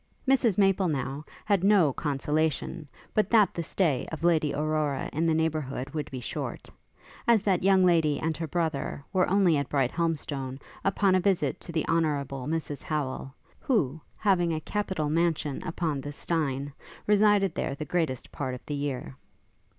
Mrs Maple, now, had no consolation but that the stay of Lady Aurora in the neighbourhood would be short, as that young lady and her brother were only at Brighthelmstone upon a visit to the Honourable Mrs Howel; who, having a capital mansion upon the Steyne, resided there the greatest part of the year.